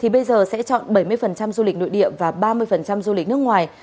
bây giờ sẽ chọn bảy mươi du lịch nội địa và ba mươi du lịch nước ngoài